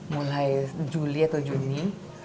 mulai juli atau juni